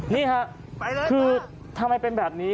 นี่ค่ะคือทำไมเป็นแบบนี้